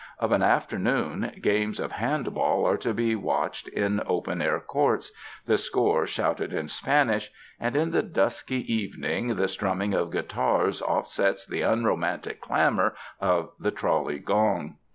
Of an after noon, games of hand ball are to be watched in open air courts, the score shouted in Spanish; and in the dusky evening the strumming of guitars offsets the unromantic clamor of the trolley gong.